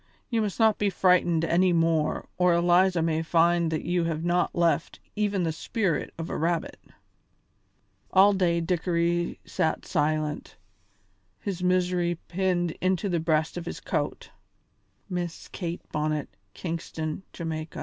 You must not be frightened any more or Eliza may find that you have not left even the spirit of a rabbit." All day Dickory sat silent, his misery pinned into the breast of his coat. "Miss Kate Bonnet, Kingston, Ja."